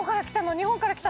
日本から来た？